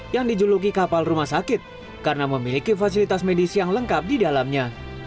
yang dijuluki kapal rumah sakit karena memiliki fasilitas medis yang lengkap di dalamnya